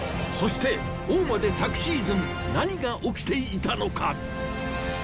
そして大間で昨シーズン何が起きていたのか。